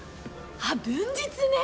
あっ文実ね。